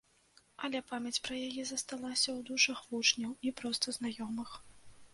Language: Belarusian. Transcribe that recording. Але памяць пра яе засталася ў душах вучняў і проста знаёмых.